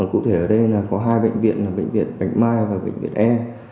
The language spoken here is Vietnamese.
cụ thể ở đây có hai bệnh viện bệnh viện bạch mai và bệnh viện e